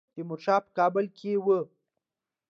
تیمورشاه په کابل کې وو.